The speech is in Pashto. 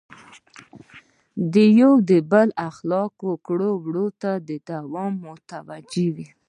د یو بل اخلاقو او کړو وړو ته دواړه متوجه وي.